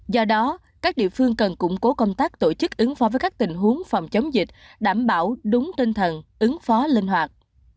do đó các địa phương cần củng cố công tác tổ chức ứng phó với các tình huống phòng chống dịch đảm bảo đúng tinh thần ứng phó linh hoạt